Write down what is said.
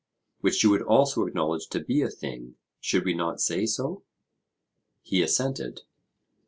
Which you would also acknowledge to be a thing should we not say so? He assented.